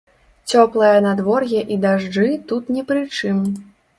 Цёплае надвор'е і дажджы тут не пры чым.